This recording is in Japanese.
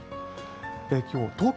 今日、東京